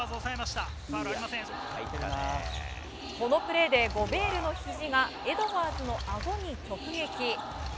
このプレーでゴベールのひじがエドワーズのあごに直撃。